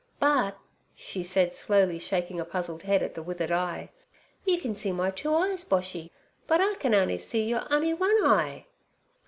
But' she said, slowly shaking a puzzled head at the withered eye, 'you can see my two eyes, Boshy, but I can on'y see your on'y one eye.'